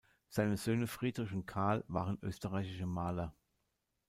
Seine Söhne Friedrich und Carl waren österreichische Maler.